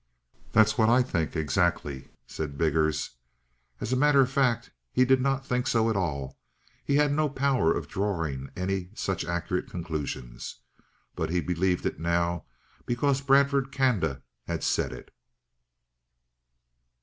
"That's what I think exactly," said Biggers. As a matter of fact, he did not think so at all; he had no power of drawing any such accurate conclusions. But he believed it now, because Bradford Canda had said it.